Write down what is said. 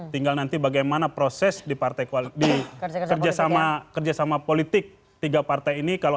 tinggal nanti bagaimana proses di partai kualitas kerjasama kerjasama politik tiga partai ini kalau